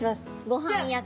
ごはん役。